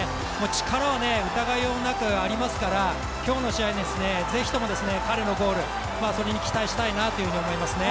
力は疑いようもなくありますから今日の試合、ぜひとも彼のゴールそれに期待したいなというふうに思いますね。